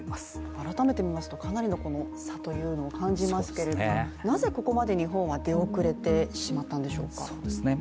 改めて見ますとかなりの差を感じますけどなぜここまで日本は出遅れてしまったんでしょうか。